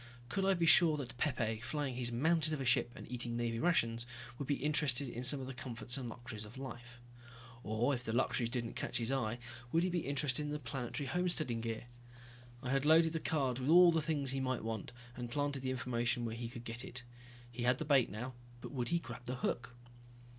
Could I be sure that Pepe, flying his mountain of a ship and eating Navy rations, would be interested in some of the comforts and luxuries of life? Or if the luxuries didn't catch his eye, would he be interested in the planetary homesteading gear? I had loaded the cards with all the things he might want, and planted the information where he could get it. He had the bait now but would he grab the hook?